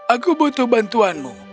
aku butuh bantuanmu